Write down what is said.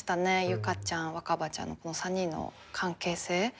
結佳ちゃん若葉ちゃんのこの３人の関係性。